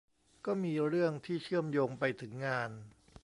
ก็มีเรื่องที่เชื่อมโยงไปถึงงาน